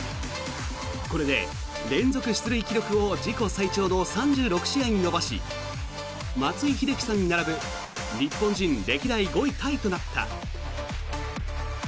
これで連続出塁記録を自己最長の３６試合に伸ばし松井秀喜さんに並ぶ日本人歴代５位タイとなった。